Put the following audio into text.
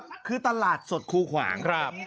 คือตลาดสดคูขวางครับ